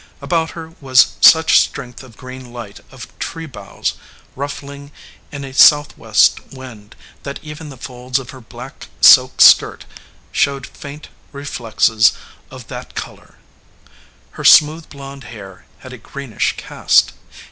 About her was such strength of green light of tree boughs, ruffling in a southwest wind, that even the folds of her black silk skirt showed faint reflexes of that color. Her smooth, blond hair had a greenish cast.